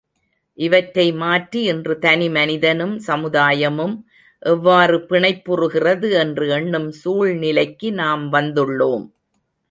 இவற்றை மாற்றி இன்று தனி மனிதனும் சமுதாயமும் எவ்வாறு பிணைப்புறுகிறது என்று எண்ணும் சூழ்நிலைக்கு நாம் வந்துள்ளோம்.